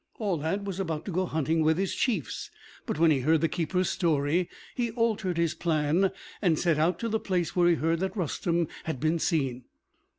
Aulad was about to go hunting with his chiefs; but when he heard the keeper's story he altered his plan, and set out to the place where he heard that Rustem had been seen.